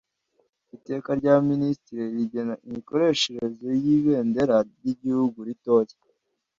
iteka rya minisitiri rigena imikoreshereze y ibendera ry igihugu ritoya